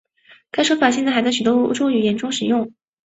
该说法现在还在许多欧洲语言中使用。